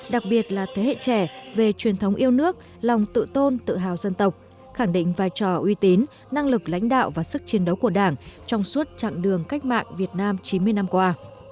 đặc biệt là thế hệ trẻ về truyền thống yêu nước lòng tự tôn tự hào dân tộc khẳng định vai trò uy tín năng lực lãnh đạo và sức chiến đấu của đảng trong suốt chặng đường cách mạng việt nam chín mươi năm qua